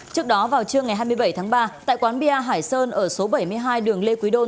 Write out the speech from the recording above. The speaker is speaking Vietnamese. trước đó vào trưa ngày hai mươi bảy tháng ba tại quán bia hải sơn ở số bảy mươi hai đường lê quý đô